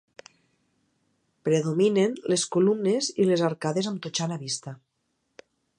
Predominen les columnes i les arcades amb totxana vista.